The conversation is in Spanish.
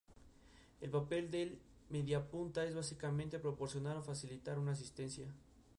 El papel del mediapunta es básicamente, proporcionar o facilitar una asistencia.